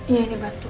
iya ini batu